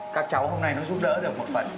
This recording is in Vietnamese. các cháu hôm nay nó giúp đỡ được một phần